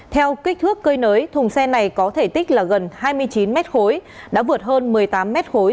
theo kích thước cơi nới thùng xe này có thể tích là gần hai mươi chín mét khối đã vượt hơn một mươi tám m khối